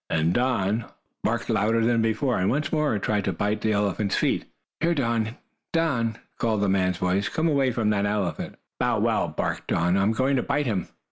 and Don barked louder than before, and once more tried to bite the elephant's feet. "Here, Don! Don!" called a man's voice. "Come away from that elephant!" "Bow wow!" barked Don. "I am going to bite him!"